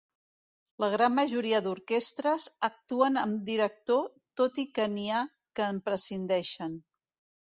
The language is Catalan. La gran majoria d'orquestres actuen amb director tot i que n'hi ha que en prescindeixen.